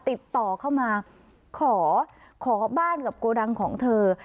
ติดต่อเข้ามาขอขอบ้านกับโกดังของเธอ